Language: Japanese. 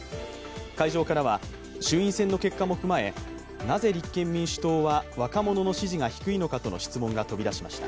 会場からは衆院選の結果も踏まえ、なぜ立憲民主党は若者の支持が低いのかとの質問が飛びました。